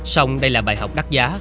xong đây là bài học đắt giá